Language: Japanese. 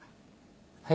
はい？